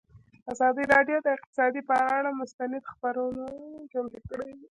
ازادي راډیو د اقتصاد پر اړه مستند خپرونه چمتو کړې.